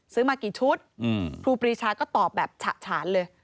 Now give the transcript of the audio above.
ซื้อมากี่ชุดอืมครูปรีชาก็ตอบแบบฉะฉะเลย